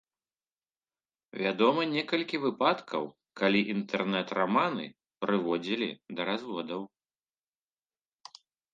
Вядома некалькі выпадкаў, калі інтэрнэт раманы прыводзілі да разводаў.